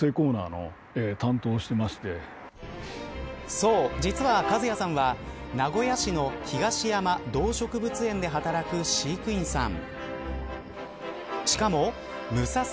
そう、実は一也さんは名古屋市の東山動植物園で働く飼育員さん。